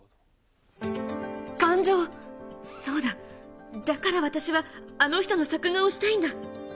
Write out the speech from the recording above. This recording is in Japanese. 感情、そうだ、だから私は、あの人の作画をしたいんだ。